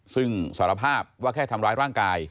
ซึ่งสารภาพว่าแค่ทำร้ายร่างกาย